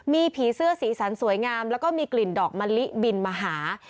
มีผีเสื้อสีสันสวยงามแล้วก็มีกลิ่นดอกมะลิบินมาหา